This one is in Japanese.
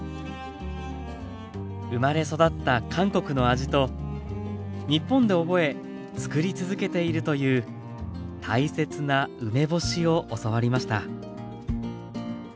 生まれ育った韓国の味と日本で覚えつくり続けているという大切な梅干しを教わりました。